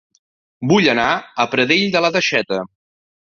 Vull anar a Pradell de la Teixeta